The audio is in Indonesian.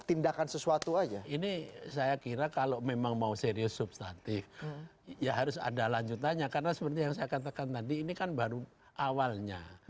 tindakan sesuatu aja ini saya kira kalau memang mau serius substantif ya harus ada lanjutannya karena seperti yang saya katakan tadi ini kan baru awalnya